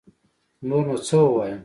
نور نو سه ووايم